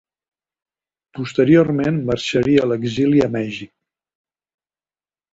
Posteriorment marxaria a l'exili a Mèxic.